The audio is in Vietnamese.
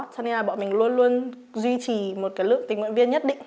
cho nên là bọn mình luôn luôn duy trì một lượng tình nguyện viên nhất định